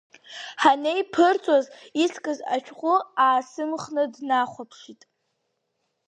Ҳанеиԥырҵуаз искыз ашәҟәы аасымхны днахәаԥшит.